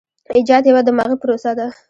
ایجاد یوه دماغي پروسه ده.